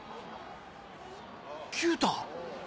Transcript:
・九太。